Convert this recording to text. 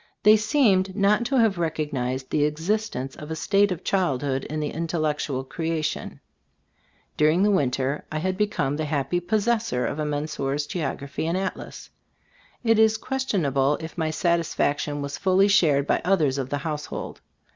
They seemed not to have recognized the existence of a state of childhood in the intellectual creation. During the winter I had become the happy possessor of a Menseur's Geography 32 ttbe Storg of &v Cbil5boo5 and Atlas. It is questionable if my satisfaction was fully shared by oth ers of the household.